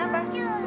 yuk yuk yuk